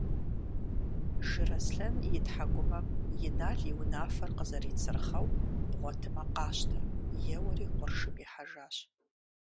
Жыраслъэн и тхьэкӀумэм Инал и унафэр къызэрицырхъэу – бгъуэтмэ къащтэ – еуэри къуршым ихьэжащ.